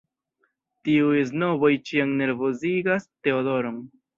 Tiuj snoboj ĉiam nervozigas Teodoron.